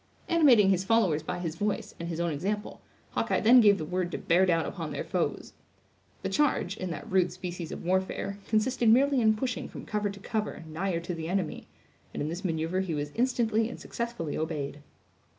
Animating his followers by his voice, and his own example, Hawkeye then gave the word to bear down upon their foes. The charge, in that rude species of warfare, consisted merely in pushing from cover to cover, nigher to the enemy; and in this maneuver he was instantly and successfully obeyed.